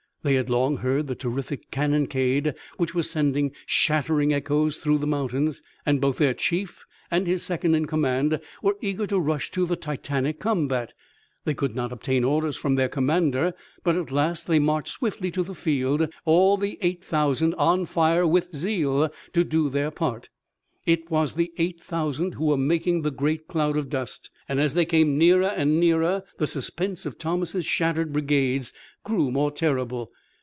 They had long heard the terrific cannonade which was sending shattering echoes through the mountains, and both their chief and his second in command were eager to rush to the titanic combat. They could not obtain orders from their commander, but, at last, they marched swiftly to the field, all the eight thousand on fire with zeal to do their part. It was the eight thousand who were making the great cloud of dust, and, as they came nearer and nearer, the suspense of Thomas' shattered brigades grew more terrible.